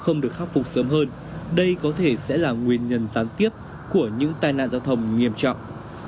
không được khắc phục sớm hơn đây có thể sẽ là nguyên nhân gián tiếp của những tai nạn giao thông nghiêm trọng